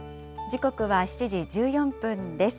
時刻は７時１４分です。